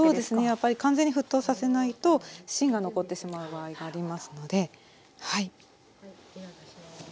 やっぱり完全に沸騰させないと芯が残ってしまう場合がありますのではい。